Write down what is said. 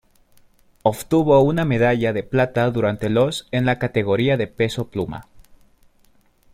Obtuvo una medalla de plata durante los en la categoría de peso pluma.